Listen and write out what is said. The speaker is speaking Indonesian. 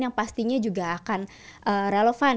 yang pastinya juga akan relevan